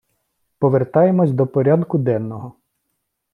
Повертаємось до порядку денного.